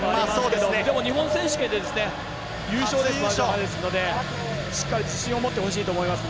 でも日本選手権で優勝ですのでしっかり自信を持ってほしいと思います。